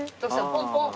ポンポン。